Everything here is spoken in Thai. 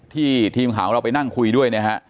ทีมข่าวของเราไปนั่งคุยด้วยนะฮะ